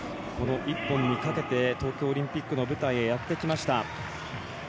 この１本にかけて東京オリンピックの舞台へやってきました。